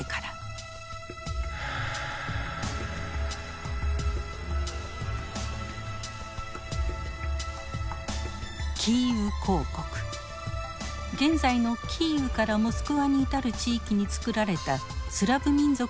現在のキーウからモスクワに至る地域につくられたスラブ民族の国家です。